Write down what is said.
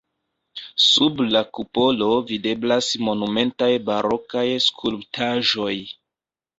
Sub la kupolo videblas monumentaj barokaj skulptaĵoj.